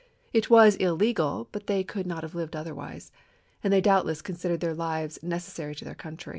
It was illegal; but they could not have lived otherwise, and they doubtless considered their lives necessary to their country.